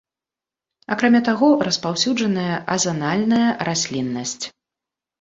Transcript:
Акрамя таго, распаўсюджаная азанальная расліннасць.